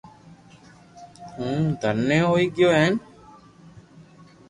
ھون دھنئي ھوئي گيو ھين